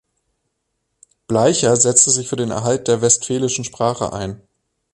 Bleicher setzte sich für den Erhalt der Westfälischen Sprache ein.